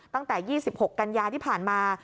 ตั้งแต่๒๖กันยาที่ผ่านมา